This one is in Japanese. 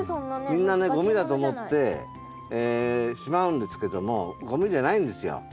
みんなゴミだと思ってしまうんですけどもゴミじゃないんですよ。